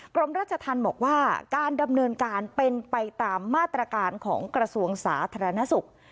กรมราชธรรมบอกว่าการดำเนินการเป็นไปตามมาตรการของกระทรวงสาธารณสุข